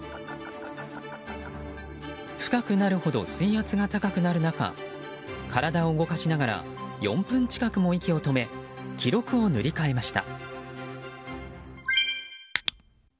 深くなるほど水圧が高くなる中体を動かしながら４分近くも息を止め記録を塗り替えました。